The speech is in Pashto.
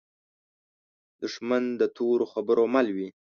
دښمن د تورو خبرو مل وي